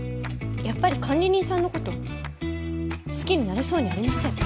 やっぱり管理人さんの事好きになれそうにありません。